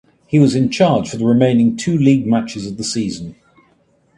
He was in charge for the remaining two league matches of the season.